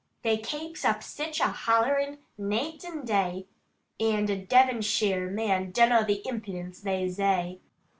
They kapes up sich a hollerin, naight and day, And a Devonsheer man dunno the impudence they zay.